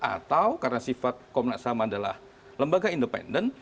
atau karena sifat komnas ham adalah lembaga independen